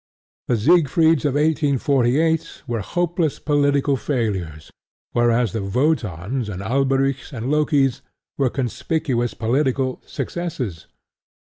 The Siegfrieds of 1848 were hopeless political failures, whereas the Wotans and Alberics and Lokis were conspicuous political successes.